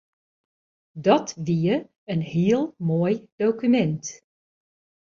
Dat wie in heel moai dokumint.